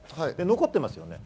残ってますよね。